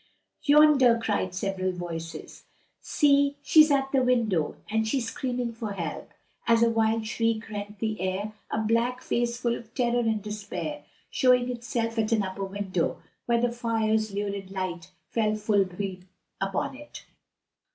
"Yonder!" cried several voices; "see, she's at the window! and she's screaming for help!" as a wild shriek rent the air, a black face full of terror and despair showing itself at an upper window, where the fire's lurid light fell full upon it.